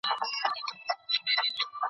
زه به تر راتلونکي ماښامه پورې خپل کار بشپړ کړم.